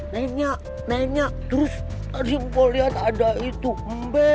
nanya nanya terus tersimpol lihat ada itu mbe